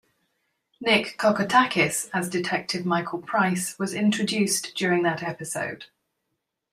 Nick Kokotakis, as detective Michael Price, was introduced during that episode.